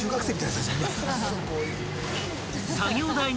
［作業台に］